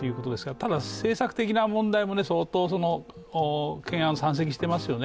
ただ政策的な問題も相当、懸案が山積していますよね。